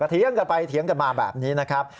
เถียงกันไปเถียงกันมาแบบนี้นะครับ